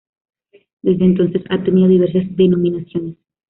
Desde entonces ha tenido diversas denominaciones.